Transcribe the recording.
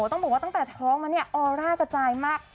ต้องบอกว่าตั้งแต่ท้องมาเนี่ยออร่ากระจายมาก